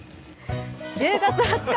１０月２０日